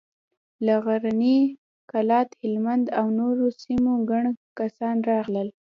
له غزني، کلات، هلمند او نورو سيمو ګڼ کسان راغلل.